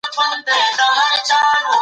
مشران ولي د سولي تړونونه لاسلیک کوي؟